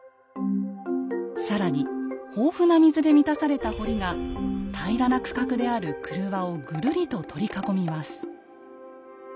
更に豊富な水で満たされた堀が平らな区画である曲輪をぐるりと取り囲みます。